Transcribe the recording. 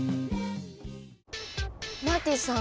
マーティさん。